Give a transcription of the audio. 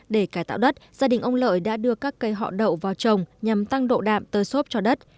để cải tạo đất gia đình ông lợi đã đưa các cây họ đậu vào trồng nhằm tăng độ đạm tơi xốp cho đất